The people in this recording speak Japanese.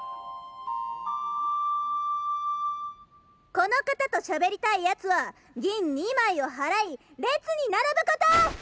この方と喋りたい奴は銀２枚を払い列に並ぶことォ！